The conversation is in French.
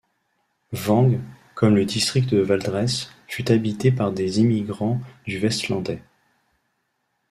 Vang, comme le district de Valdres, fut habité par des immigrants du Vestlandet.